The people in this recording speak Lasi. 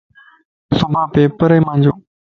صبح پيپرائي مانجو